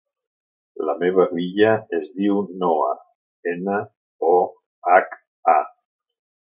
La meva filla es diu Noha: ena, o, hac, a.